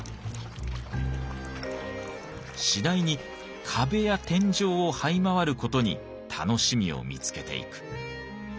次第に壁や天井をはい回る事に楽しみを見つけていく。